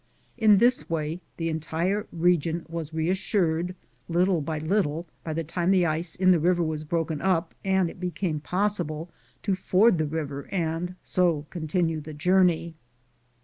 In this way the entire region was reassured, lit tle by little, by the time the ice in the river was broken up and it became possible to ford the river and so to continue the journey.